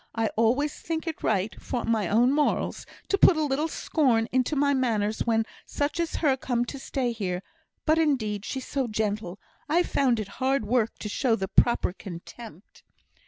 I always think it right, for my own morals, to put a little scorn into my manners when such as her come to stay here; but, indeed, she's so gentle, I've found it hard work to show the proper contempt."